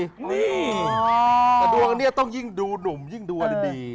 แต่ดวงอันนี้ต้องยิ่งดูหนุ่มยิ่งดูดี